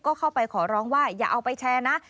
ก็เข้าไปขอร้องว่าอย่าเอาไปแชร์นะ